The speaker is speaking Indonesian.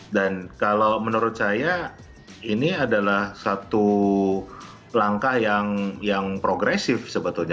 dan kalau menurut saya ini adalah satu langkah yang progresif sebetulnya